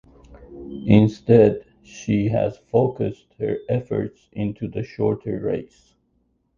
Instead she has focused her efforts into the shorter race.